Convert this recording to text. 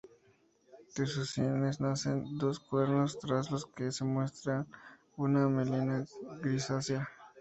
De sus sienes nacen dos cuernos tras los que se muestra una melena grisácea.